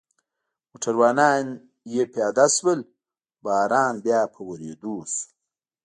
موټروانان یې پیاده شول، باران بیا په ورېدو شو.